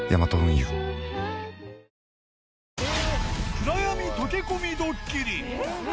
暗闇溶け込みドッキリ。